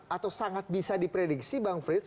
atau sangat bisa diprediksi bang frits